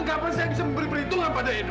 dan kapan saya bisa memberi perhitungan pada edo